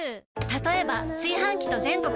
たとえば炊飯器と全国